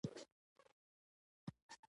هو که یا ؟